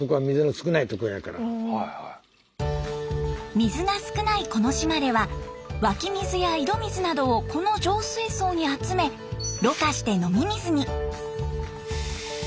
水が少ないこの島では湧き水や井戸水などをこの浄水槽に集めろ過して飲み水に。